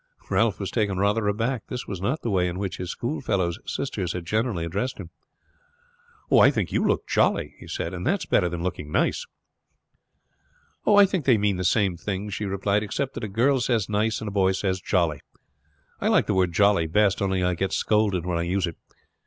Ralph was taken rather aback. This was not the way in which his schoolfellows' sisters had generally addressed him. "I think you look jolly," he said; "and that's better than looking nice." "I think they mean the same thing," she replied; "except that a girl says 'nice' and a boy says 'jolly.' I like the word 'jolly' best, only I get scolded when I use it.